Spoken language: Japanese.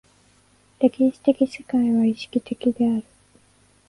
歴史的世界は意識的である。